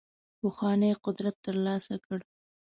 پخوانی قدرت ترلاسه کړ.